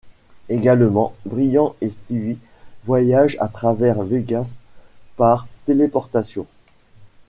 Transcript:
Également, Brian et Stewie voyagent à travers Vegas par téléportation.